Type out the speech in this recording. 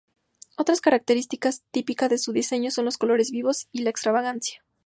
Otra característica típica de sus diseños son los colores vivos y la extravagancia.